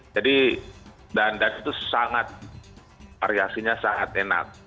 jadi bahan bahan itu sangat variasinya sangat enak